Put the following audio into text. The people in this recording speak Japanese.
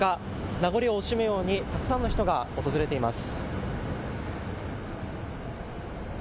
名残惜しむようにたくさんの人が訪れています。